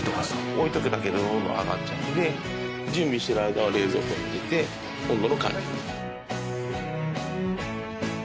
置いておくだけで温度上がっちゃうので準備してる間は冷蔵庫に入れて温度の管理。